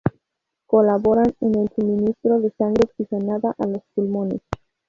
Colaboran en el suministro de sangre oxigenada a los pulmones.